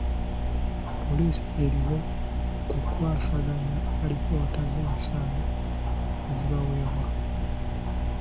Poliisi eriwo kukwasaganya alipoota z'emisango ezibaweebwa.